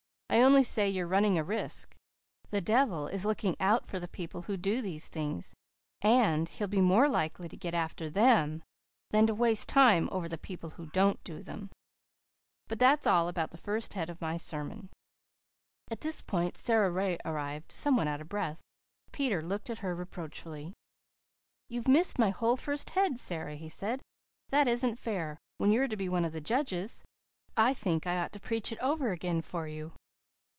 I only say you're running a risk. The devil is looking out for the people who do these things and he'll be more likely to get after them than to waste time over the people who don't do them. And that's all about the first head of my sermon." At this point Sara Ray arrived, somewhat out of breath. Peter looked at her reproachfully. "You've missed my whole first head, Sara," he said, "that isn't fair, when you're to be one of the judges. I think I ought to preach it over again for you."